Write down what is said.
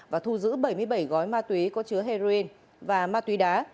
và thu giữ bảy mươi bảy gói ma túy có chứa heroin và ma túy đá